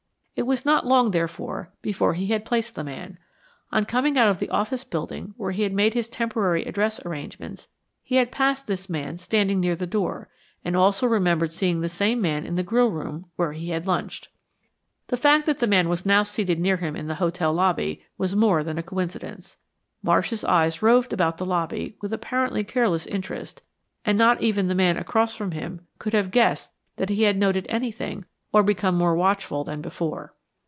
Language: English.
It was not long, therefore, before he had placed the man. On coming out of the office building where he had made his temporary address arrangements, he had passed this man standing near the door and also remembered seeing the same man in the grill room where he had lunched. The fact that the man was now seated near him in the hotel lobby was more than a coincidence. Marsh's eyes roved about the lobby with apparently careless interest, and not even the man across from him could have guessed that he had noted anything or become more watchful than before.